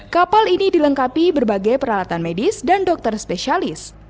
kapal ini dilengkapi berbagai peralatan medis dan dokter spesialis